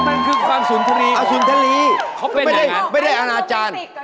มันคือความสุนทรีย์